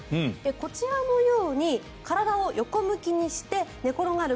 こちらのように体を横向きにして寝転がる